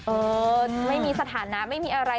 เออไม่มีสถานะไม่มีอะไร